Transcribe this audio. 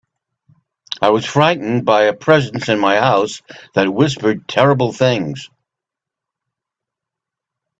I was frightened by a presence in my house that whispered terrible things.